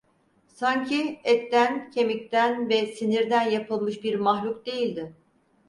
Sanki etten, kemikten ve sinirden yapılmış bir mahluk değildi.